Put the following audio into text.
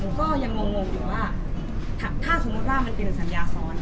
ก็คือหนูก็ยังงงวงอยู่ว่าถ้าสมมติว่ามันเป็นสัญญาซ้อน